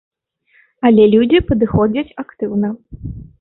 Але людзі падыходзяць актыўна.